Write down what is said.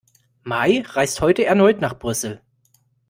May reist heute erneut nach Brüssel